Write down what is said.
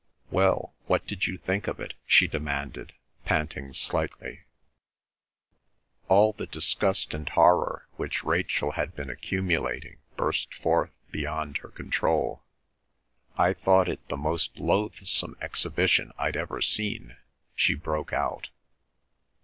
"Well, what did you think of it?" she demanded, panting slightly. All the disgust and horror which Rachel had been accumulating burst forth beyond her control. "I thought it the most loathsome exhibition I'd ever seen!" she broke out.